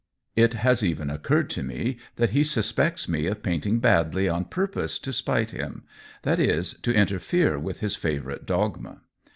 It has even occurred to me that he suspects me of painting badly on purpose to spite him — that is, to interfere with his favorite dogma.